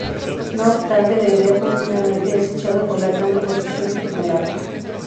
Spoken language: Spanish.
No obstante, la idea fue finalmente desechada por la gran oposición que generaba.